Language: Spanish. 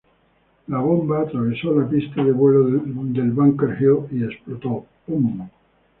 La bomba atravesó la pista de vuelo del Bunker Hill y explotó.